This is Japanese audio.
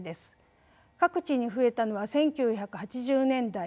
各地に増えたのは１９８０年代。